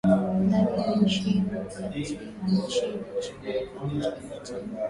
ndani ya nchi na kati ya nchi na nchi kwenye kiwango cha kimataifa